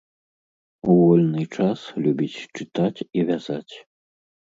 У вольны час любіць чытаць і вязаць.